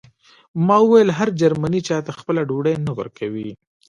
ما وویل هر جرمنی چاته خپله ډوډۍ نه ورکوي